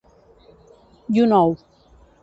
I un ou!